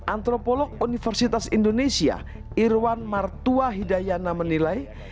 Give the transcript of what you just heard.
antropolog universitas indonesia irwan martua hidayana menilai